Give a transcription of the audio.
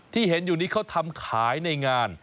ที่เห็นอยู่นี้เขาทำขายในงาน